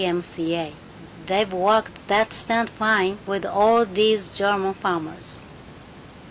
M. C. A. They've worked that stunt fine with all these German farmers."